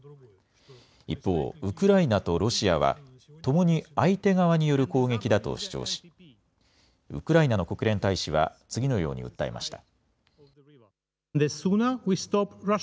一方ウクライナとロシアはともに相手側による攻撃だと主張しウクライナの国連大使は次のように訴えました。